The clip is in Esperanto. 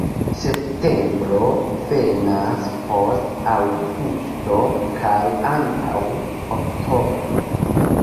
Septembro venas post aŭgusto kaj antaŭ oktobro.